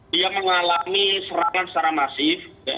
dia mengalami serangan secara masif